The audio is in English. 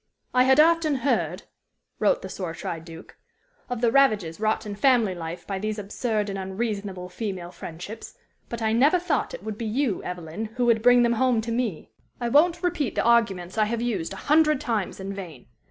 "I had often heard" [wrote the sore tried Duke] "of the ravages wrought in family life by these absurd and unreasonable female friendships, but I never thought that it would be you, Evelyn, who would bring them home to me. I won't repeat the arguments I have used a hundred times in vain.